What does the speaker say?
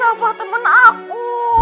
sahabat temen aku